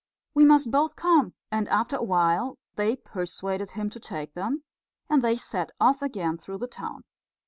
"We must both come," and after a while they persuaded him to take them, and they set off again through the town.